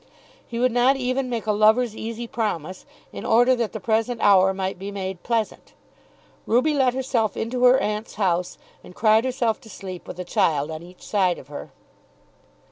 He would not even make a lover's easy promise, in order that the present hour might be made pleasant. Ruby let herself into her aunt's house, and cried herself to sleep with a child on each side of her.